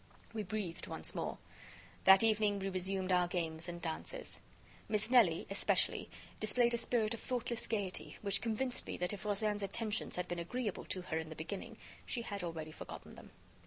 We breathed once more. That evening, we resumed our games and dances. Miss Nelly, especially, displayed a spirit of thoughtless gayety which convinced me that if Rozaine's attentions had been agreeable to her in the beginning, she had already forgotten them.